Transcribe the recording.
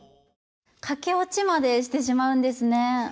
駆け落ちまでしてしまうんですね。